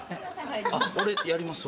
俺やりますわ。